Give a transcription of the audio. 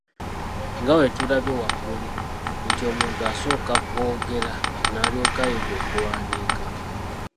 Nga bwetulabye waggulu nti omuntu asooka kwogera n'alyoka ayiga okuwandiika.